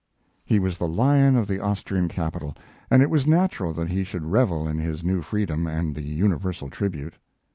He was the lion of the Austrian capital, and it was natural that he should revel in his new freedom and in the universal tribute.